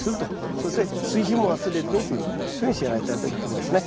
それと追肥も忘れずにというそういうふうにしてやられたらいいと思いますね。